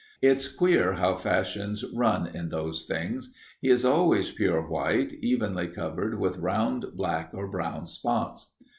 It's queer how fashions run in those things. He is always pure white, evenly covered with round black or brown spots.